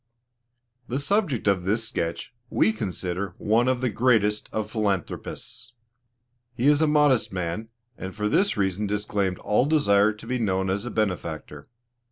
The subject of this sketch we consider one of the greatest of philanthropists. He is a modest man, and for this reason disclaimed all desire to be known as a benefactor.